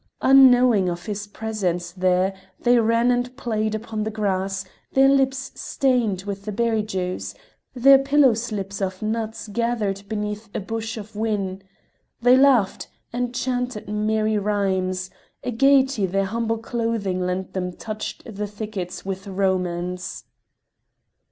Unknowing of his presence there, they ran and played upon the grass, their lips stained with the berry juice, their pillow slips of nuts gathered beneath a bush of whin. They laughed, and chanted merry rhymes: a gaiety their humble clothing lent them touched the thickets with romance.